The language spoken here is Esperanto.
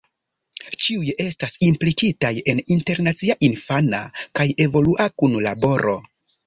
Ĉiuj estas implikitaj en internacia infana kaj evolua kunlaboro.